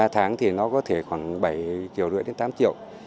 ba tháng thì nó có thể khoảng bảy triệu rưỡi đến tám triệu